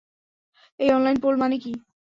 এই online poll মানে কি?